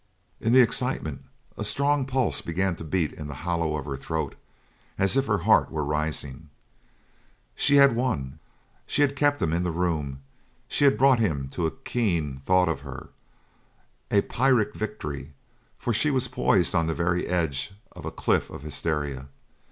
In the excitement a strong pulse began to beat in the hollow of her throat, as if her heart were rising. She had won, she had kept him in the room, she had brought him to a keen thought of her. A Pyrrhic victory, for she was poised on the very edge of a cliff of hysteria.